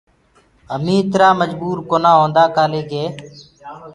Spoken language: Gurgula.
همينٚ اِترآ مجبور ڪونآ هوندآ ڪآلي ڪي